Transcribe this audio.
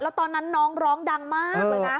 แล้วตอนนั้นน้องร้องดังมากเลยนะ